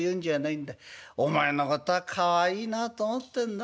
お前のことはかわいいなと思ってんだ。